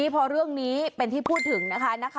พอเรื่องนี้เป็นที่พูดถึงนะคะ